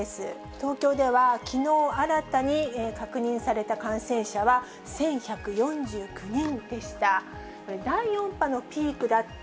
東京では、きのう新たに確認された感染者は１１４９人でした。